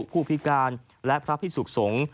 ผู้พิการและพระพิสุขสงฆ์